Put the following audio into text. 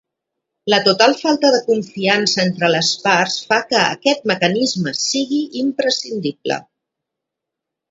La total falta de confiança entre les parts fa que aquest mecanisme sigui imprescindible